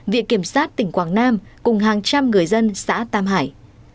viện kiểm sát tỉnh quảng nam cùng hàng trăm người dân xã tam hải